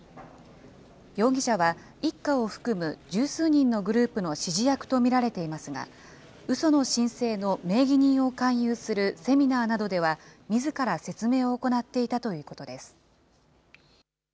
容疑者は、一家を含む十数人のグループの指示役と見られていますが、うその申請の名義人を勧誘するセミナーなどでは、みずから説明を行っていたということです。